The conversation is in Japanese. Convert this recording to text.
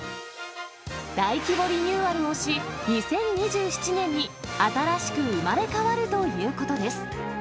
大規模リニューアルをし、２０２７年に、新しく生まれ変わるということです。